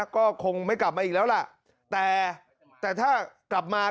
ก็คงไม่กลับมาอีกแล้วล่ะแต่แต่ถ้ากลับมา